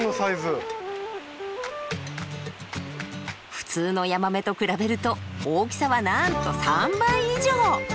普通のヤマメと比べると大きさはなんと３倍以上！